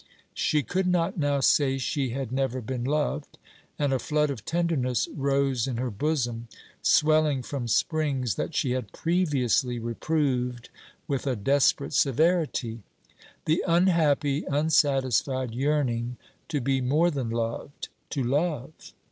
She could not now say she had never been loved; and a flood of tenderness rose in her bosom, swelling from springs that she had previously reproved with a desperate severity: the unhappy, unsatisfied yearning to be more than loved, to love.